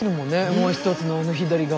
もう一つの左側。